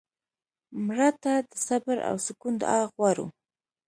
مړه ته د صبر او سکون دعا غواړو